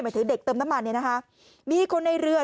ถือเด็กเติมน้ำมันเนี่ยนะคะมีคนในเรือ